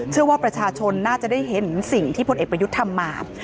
เชื่อว่าประชาชนน่าจะได้เห็นสิ่งที่พลเอกประยุทธ์ทำมา